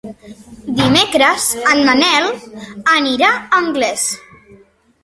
Dimecres en Manel anirà a Anglès.